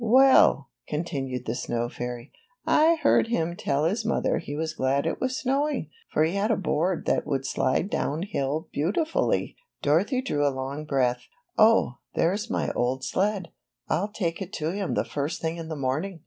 "Well," continued the snow fairy, "I heard him tell his mother he was glad it was snowing, for he had a board that would slide down hill beautifully." Dorothy drew a long breath. "Oh, there's my old sled. I'll take it to him the first thing in the morning!